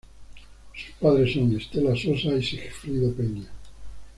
Sus padres son Estela Sosa y Sigfrido Peña.